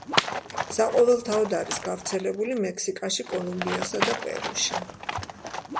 საყოველთაოდ არის გავრცელებული მექსიკაში, კოლუმბიასა და პერუში.